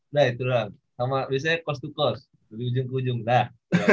udah itu doang sama biasanya cost to cost dari ujung ke ujung dah